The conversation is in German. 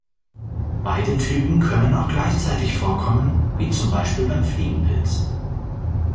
Beide Typen können auch gleichzeitig vorkommen, wie zum Beispiel beim Fliegenpilz.